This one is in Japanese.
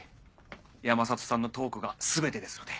山里さんのトークが全てですので。